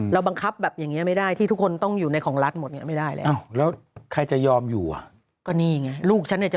เราบังคับแบบอย่างนี้ไม่ได้ที่ทุกคนต้องอยู่ในของรัฐหมดไม่ได้แล้ว